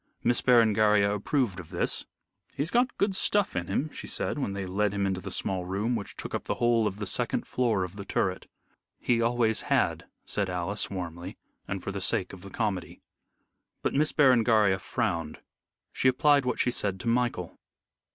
Miss Berengaria approved of this. "He's got good stuff in him," she said, when they led him into the small room, which took up the whole of the second floor of the turret. "He always had," said Alice, warmly, and for the sake of the comedy. But Miss Berengaria frowned. She applied what she said to Michael.